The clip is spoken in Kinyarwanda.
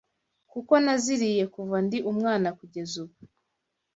kuko naziriye kuva ndi umwana kugeza ubu.”